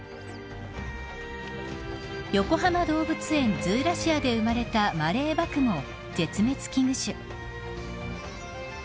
よこはま動物園ズーラシアで生まれたマレーバクも絶滅危惧種。